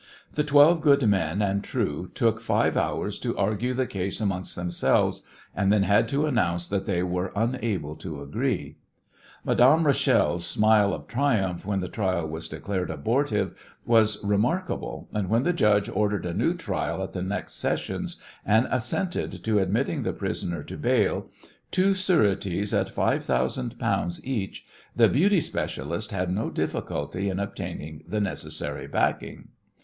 The twelve good men and true took five hours to argue the case amongst themselves, and then had to announce that they were unable to agree. Madame Rachel's smile of triumph when the trial was declared abortive was remarkable, and when the judge ordered a new trial at the next sessions, and assented to admitting the prisoner to bail, two sureties at five thousand pounds each, the "beauty specialist" had no difficulty in obtaining the necessary backing.